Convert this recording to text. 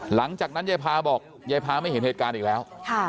หลังจากนั้นยายพาบอกยายพาไม่เห็นเหตุการณ์อีกแล้ว